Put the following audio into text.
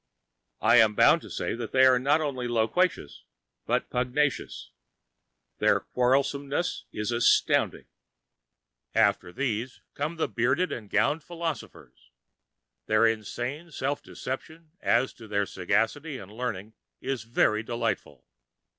I am bound to say that they are not only loquacious, but pugnacious. Their quarrelsomeness is astounding. After these come the bearded and gowned philosophers.138 Their insane self deception as to their sagacity and learning is very delightful.